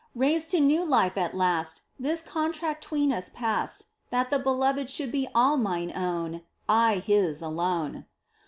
Raised to new life at last This contract 'tween us passed. That the Beloved should be all mine own, I His alone